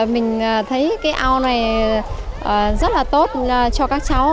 mình thấy cây ao này rất là tốt cho các cháu